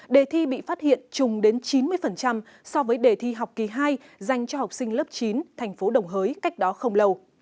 đề thi bị phát hiện chùng đến chín mươi so với đề thi học kỳ hai dành cho học sinh lớp chín thành phố đồng hới cách đó không lâu